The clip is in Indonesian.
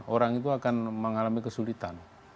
orang itu akan mengalami kesulitan